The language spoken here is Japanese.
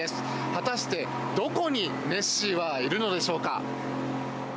果たして、どこにネッシーはいるのでしょうか。